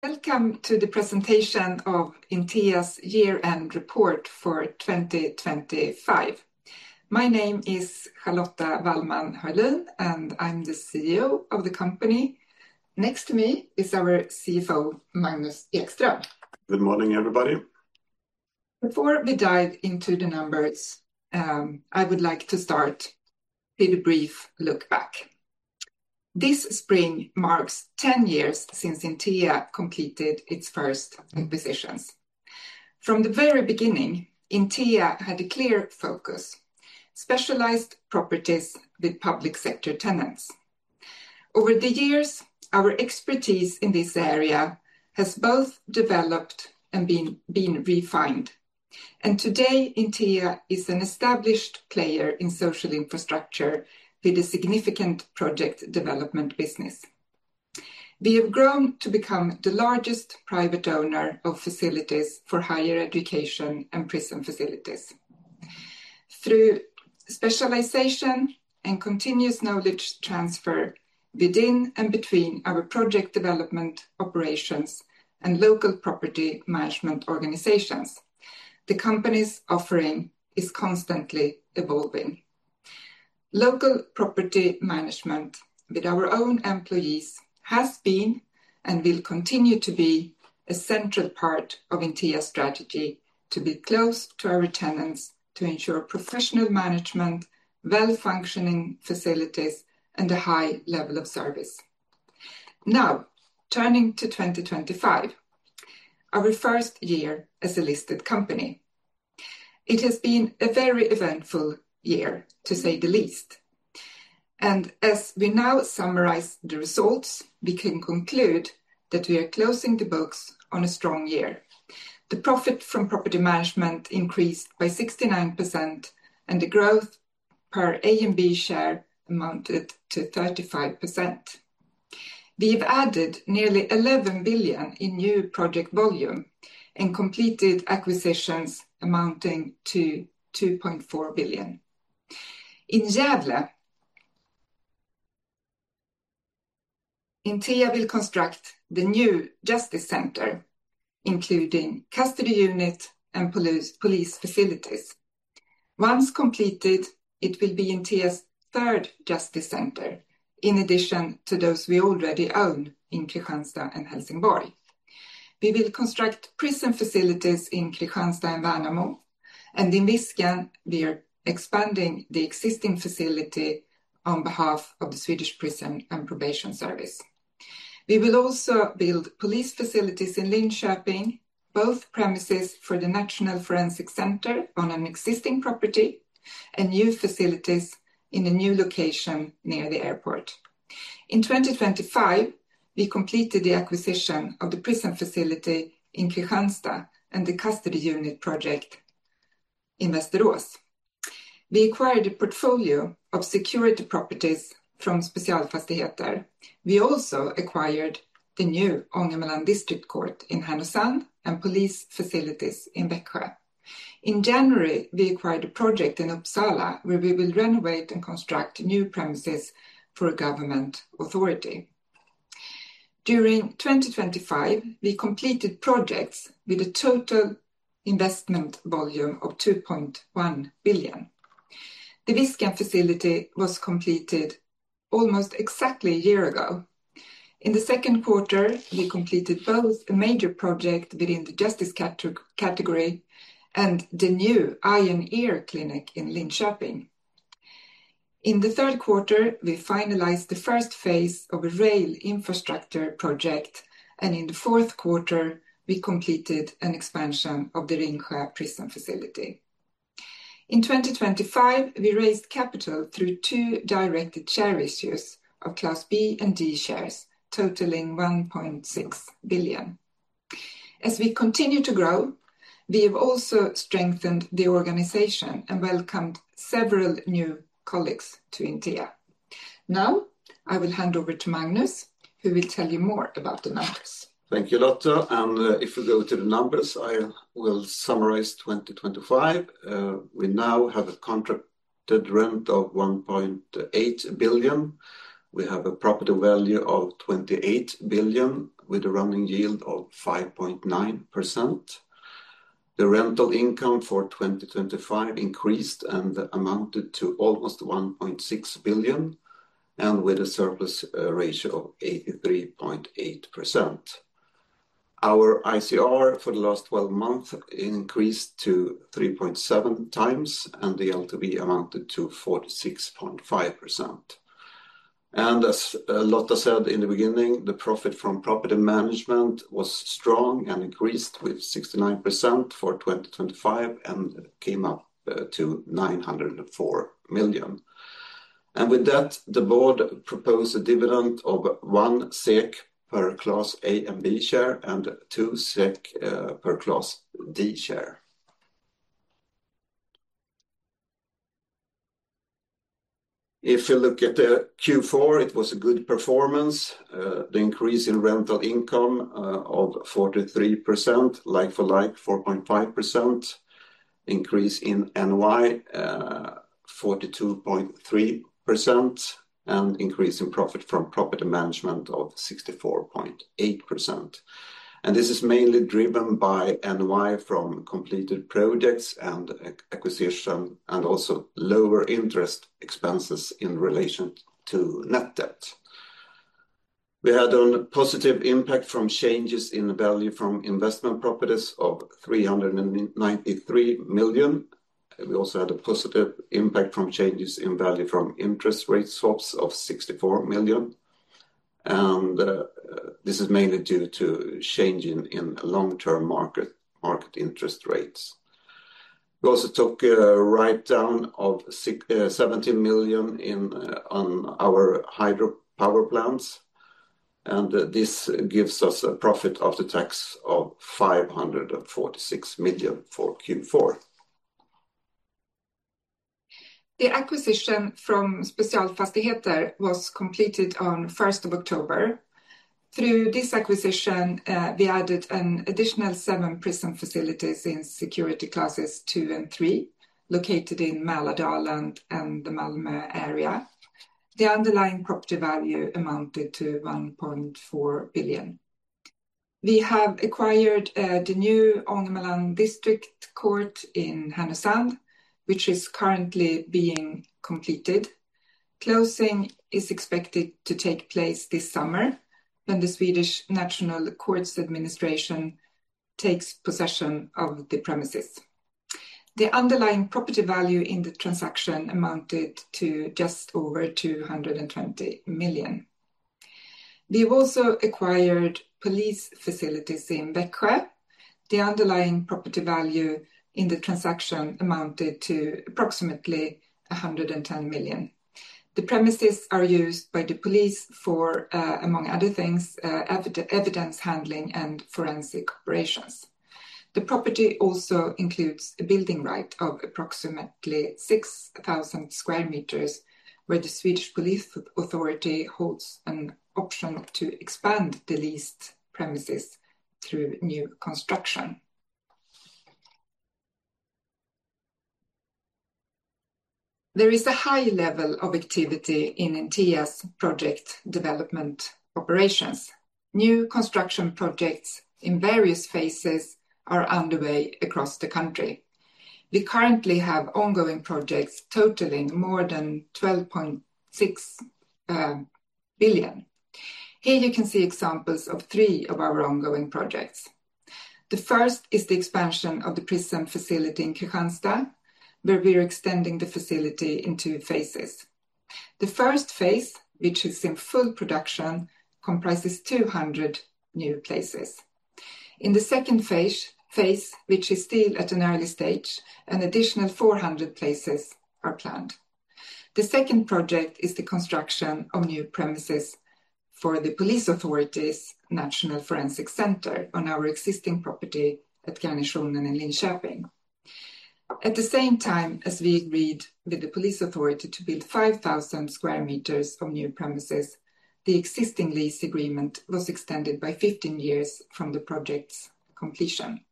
Welcome to the presentation of Intea’s Year-End Report for 2025. My name is Charlotta Wallman Hörlin, and I’m the CEO of the company. Next to me is our CFO, Magnus Ekström. Good morning, everybody. Before we dive into the numbers, I would like to start with a brief look back. This spring marks 10 years since Intea completed its first acquisitions. From the very beginning, Intea had a clear focus: specialized properties with public sector tenants. Over the years, our expertise in this area has both developed and been refined, and today Intea is an established player in social infrastructure with a significant project development business. We have grown to become the largest private owner of facilities for higher education and prison facilities. Through specialization and continuous knowledge transfer within and between our project development operations and local property management organizations, the companies' offering is constantly evolving. Local property management, with our own employees, has been, and will continue to be, a central part of Intea's strategy to be close to our tenants to ensure professional management, well-functioning facilities, and a high level of service. Now, turning to 2025, our first year as a listed company. It has been a very eventful year, to say the least. As we now summarize the results, we can conclude that we are closing the books on a strong year. The profit from property management increased by 69%, and the growth per A and B share amounted to 35%. We've added nearly 11 billion in new project volume and completed acquisitions amounting to 2.4 billion. In Gävle, Intea will construct the new justice center, including custody unit and police facilities. Once completed, it will be Intea's third justice center, in addition to those we already own in Kristianstad and Helsingborg. We will construct prison facilities in Kristianstad and Värnamo, and in Viskan we are expanding the existing facility on behalf of the Swedish Prison and Probation Service. We will also build police facilities in Linköping, both premises for the National Forensic Centre on an existing property and new facilities in a new location near the airport. In 2025, we completed the acquisition of the prison facility in Kristianstad and the custody unit project in Västerås. We acquired a portfolio of security properties from Specialfastigheter. We also acquired the new Ångermanland District Court in Härnösand and police facilities in Växjö. In January, we acquired a project in Uppsala where we will renovate and construct new premises for a government authority. During 2025, we completed projects with a total investment volume of 2.1 billion. The Viskan facility was completed almost exactly a year ago. In the second quarter, we completed both a major project within the justice category and the new Eye and Ear Clinic in Linköping. In the third quarter, we finalized the first phase of a rail infrastructure project, and in the fourth quarter, we completed an expansion of the Ringsjön Prison. In 2025, we raised capital through two directed share issues of Class B and Class D shares, totaling 1.6 billion. As we continue to grow, we have also strengthened the organization and welcomed several new colleagues to Intea. Now I will hand over to Magnus, who will tell you more about the numbers. Thank you, Lotta. If we go to the numbers, I will summarize 2025. We now have a contracted rent of 1.8 billion. We have a property value of 28 billion with a running yield of 5.9%. The rental income for 2025 increased and amounted to almost 1.6 billion, and with a surplus ratio of 83.8%. Our ICR for the last 12 months increased to 3.7 times, and the LTV amounted to 46.5%. And as Lotta said in the beginning, the profit from property management was strong and increased with 69% for 2025 and came up to 904 million. And with that, the board proposed a dividend of 1 SEK per Class A and B share and 2 SEK per Class D share. If we look at the Q4, it was a good performance. The increase in rental income of 43%, like for like, 4.5%. Increase in NOI, 42.3%, and increase in profit from property management of 64.8%. This is mainly driven by NOI from completed projects and acquisition and also lower interest expenses in relation to net debt. We had a positive impact from changes in value from investment properties of 393 million. We also had a positive impact from changes in value from interest rate swaps of 64 million. This is mainly due to changes in long-term market interest rates. We also took a write-down of 17 million on our hydropower plants. This gives us a profit after tax of 546 million for Q4. The acquisition from Specialfastigheter was completed on 1st of October. Through this acquisition, we added an additional seven prison facilities in security classes two and three, located in Mälardalen and the Malmö area. The underlying property value amounted to 1.4 billion. We have acquired the new Ångermanland District Court in Härnösand, which is currently being completed. Closing is expected to take place this summer when the Swedish National Courts Administration takes possession of the premises. The underlying property value in the transaction amounted to just over 220 million. We have also acquired police facilities in Växjö. The underlying property value in the transaction amounted to approximately 110 million. The premises are used by the police for, among other things, evidence handling and forensic operations. The property also includes a building right of approximately 6,000 sq m, where the Swedish Police Authority holds an option to expand the leased premises through new construction. There is a high level of activity in Intea's project development operations. New construction projects in various phases are underway across the country. We currently have ongoing projects totaling more than 12.6 billion. Here you can see examples of three of our ongoing projects. The first is the expansion of the prison facility in Kristianstad, where we are extending the facility into phases. The first phase, which is in full production, comprises 200 new places. In the second phase, which is still at an early stage, an additional 400 places are planned. The second project is the construction of new premises for the police authority's National Forensic Centre on our existing property at Garnisonen in Linköping. At the same time as we agreed with the police authority to build 5,000 square meters of new premises, the existing lease agreement was extended by 15 years from the project's completion.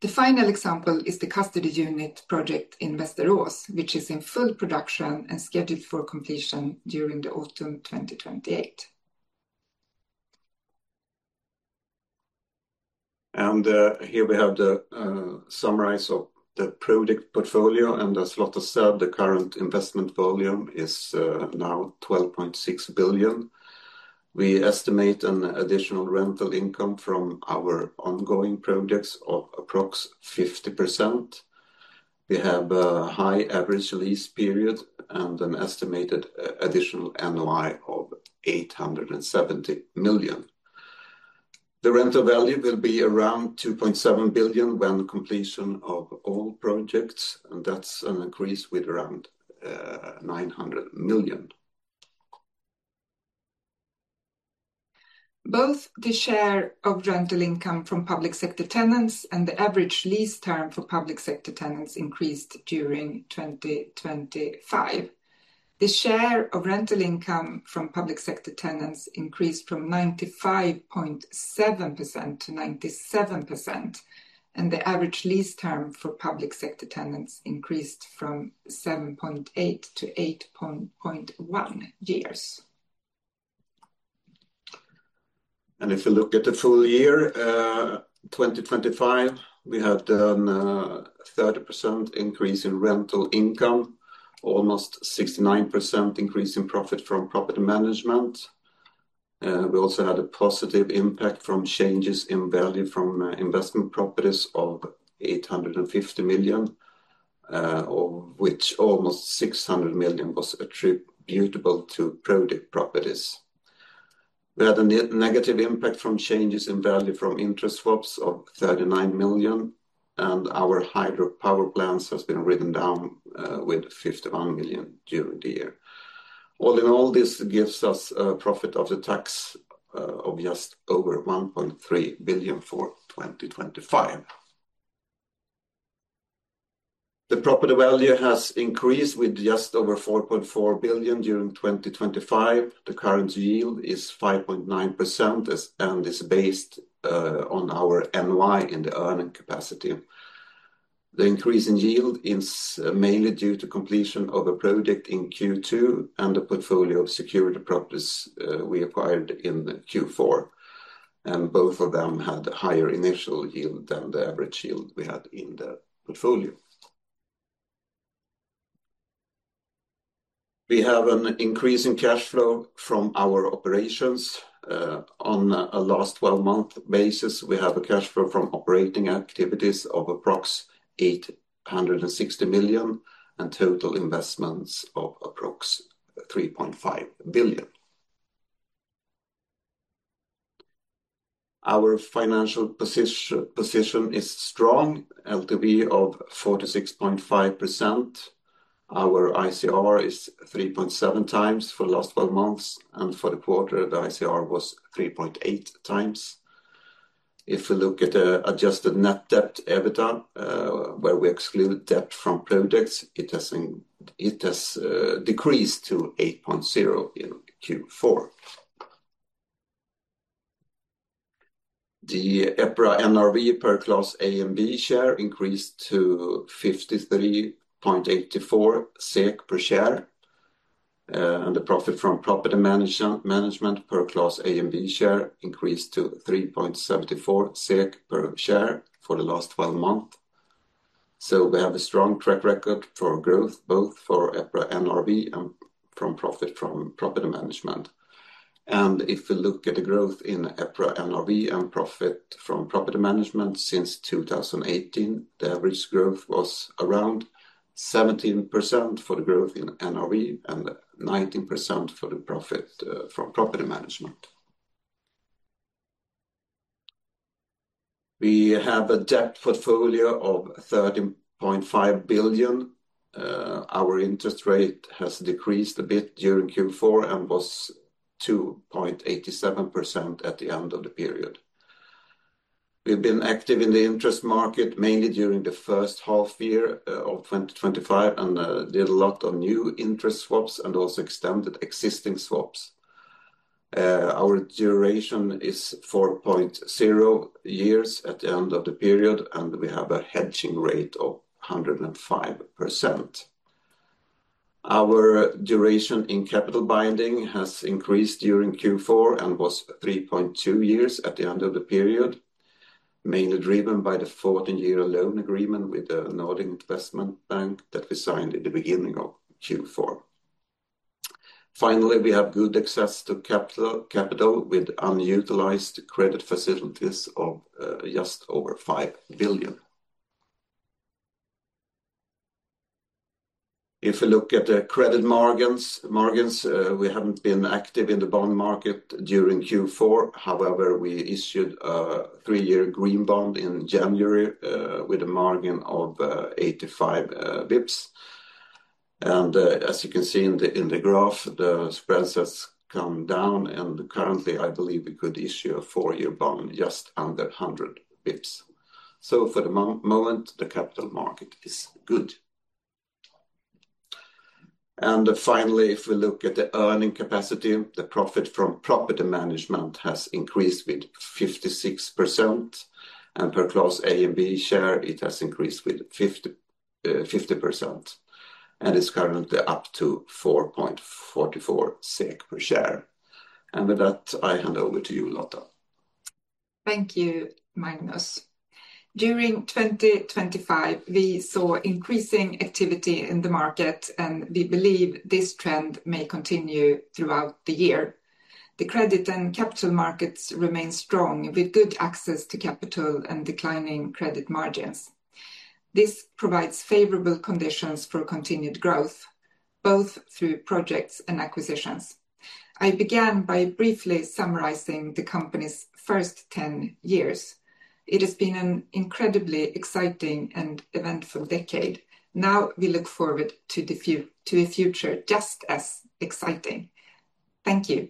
The final example is the custody unit project in Västerås, which is in full production and scheduled for completion during the autumn 2028. Here we have the summary of the project portfolio. As Lotta said, the current investment volume is now 12.6 billion. We estimate an additional rental income from our ongoing projects of approximately 50%. We have a high average lease period and an estimated additional NOI of 870 million. The rental value will be around 2.7 billion when completion of all projects, and that's an increase with around 900 million. Both the share of rental income from public sector tenants and the average lease term for public sector tenants increased during 2025. The share of rental income from public sector tenants increased from 95.7%-97%, and the average lease term for public sector tenants increased from 7.8-8.1 years. If we look at the full year 2025, we had a 30% increase in rental income, almost 69% increase in profit from property management. We also had a positive impact from changes in value from investment properties of 850 million, of which almost 600 million was attributable to project properties. We had a negative impact from changes in value from interest swaps of 39 million, and our hydropower plants have been written down with 51 million during the year. All in all, this gives us a profit after tax of just over 1.3 billion for 2025. The property value has increased with just over 4.4 billion during 2025. The current yield is 5.9% and is based on our NOI in the earning capacity. The increase in yield is mainly due to completion of a project in Q2 and the portfolio of security properties we acquired in Q4. Both of them had higher initial yield than the average yield we had in the portfolio. We have an increase in cash flow from our operations. On a last 12-month basis, we have a cash flow from operating activities of approximately 860 million and total investments of approximately 3.5 billion. Our financial position is strong, LTV of 46.5%. Our ICR is 3.7 times for the last 12 months, and for the quarter, the ICR was 3.8 times. If we look at the adjusted net debt EBITDA, where we exclude debt from projects, it has decreased to 8.0 in Q4. The EPRA NRV per Class A and B share increased to 53.84 SEK per share, and the profit from property management per Class A and B share increased to 3.74 SEK per share for the last 12 months. We have a strong track record for growth, both for EPRA NRV and from profit from property management. If we look at the growth in EPRA NRV and profit from property management since 2018, the average growth was around 17% for the growth in NRV and 19% for the profit from property management. We have a debt portfolio of 30.5 billion. Our interest rate has decreased a bit during Q4 and was 2.87% at the end of the period. We've been active in the interest market mainly during the first half year of 2025 and did a lot of new interest swaps and also extended existing swaps. Our duration is 4.0 years at the end of the period, and we have a hedging rate of 105%. Our duration in capital binding has increased during Q4 and was 3.2 years at the end of the period, mainly driven by the 14-year loan agreement with the Nordic Investment Bank that we signed at the beginning of Q4. Finally, we have good access to capital capital with unutilized credit facilities of just over SEK 5 billion. If we look at the credit margins, we haven't been active in the bond market during Q4. However, we issued a three-year green bond in January with a margin of 85 bps. And as you can see in the graph, the spreads have come down, and currently, I believe we could issue a four-year bond just under 100 bps. So for the moment, the capital market is good. Finally, if we look at the earning capacity, the profit from property management has increased with 56%, and per Class A and B share, it has increased with 50%. It's currently up to 4.44 SEK per share. With that, I hand over to you, Lotta. Thank you, Magnus. During 2025, we saw increasing activity in the market, and we believe this trend may continue throughout the year. The credit and capital markets remain strong with good access to capital and declining credit margins. This provides favorable conditions for continued growth, both through projects and acquisitions. I began by briefly summarizing the company's first 10 years. It has been an incredibly exciting and eventful decade. Now we look forward to the future just as exciting. Thank you.